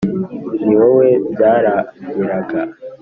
ni wowe byaramiraga: